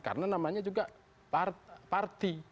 karena namanya juga parti